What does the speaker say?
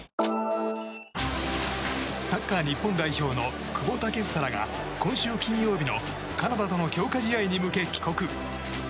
サッカー日本代表の久保建英らが今週金曜日のカナダとの強化試合に向け帰国。